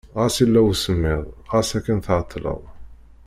Ɣas yella usemmiḍ, ɣas akken tɛeṭṭleḍ.